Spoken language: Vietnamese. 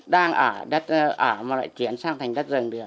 đang ở đất ở mà lại chuyển sang thành đất rừng được